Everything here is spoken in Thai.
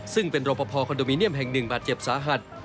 ซึ่งเป็นรอปภคอนโดมิเนียมแห่งหนึ่งบาดเจ็บสาหัส